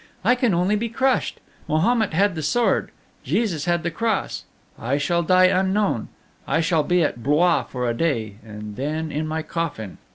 I can only be crushed. Mahomet had the sword; Jesus had the cross; I shall die unknown. I shall be at Blois for a day, and then in my coffin.